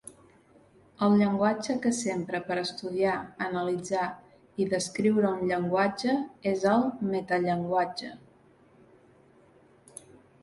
El llenguatge que s'empra per estudiar, analitzar i descriure un llenguatge és el "metallenguatge".